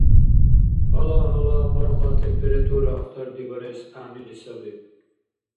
Гьала-гьала кьаркьа температура ахтардибарес гӀягӀнили саби.